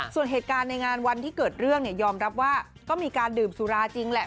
ส่วนเหตุการณ์ในงานวันที่เกิดเรื่องเนี่ยยอมรับว่าก็มีการดื่มสุราจริงแหละ